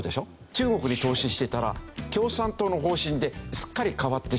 中国に投資していたら共産党の方針ですっかり変わってしまう。